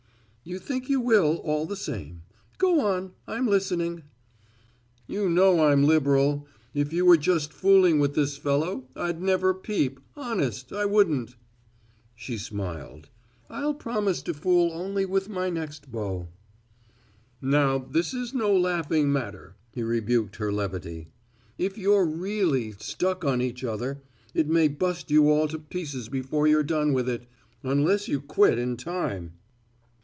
"You think you will, all the same. Go on, I'm listening." "You know I'm liberal. If you were just fooling with this fellow, I'd never peep, honest, I wouldn't." She smiled, "I'll promise to only fool with my next beau." "Now, this is no laughing matter," he rebuked her levity. "If you're really stuck on each other it may bust you all to pieces before you're done with it unless you quit in time."